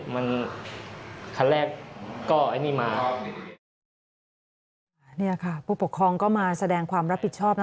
มันคันแรกก็ไอ้นี่มาเนี่ยค่ะผู้ปกครองก็มาแสดงความรับผิดชอบนะ